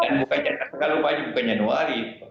dan kalau pak jika bukan januari